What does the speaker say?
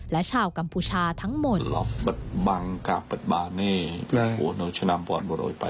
และชาวกัมพูชาทั้งหมด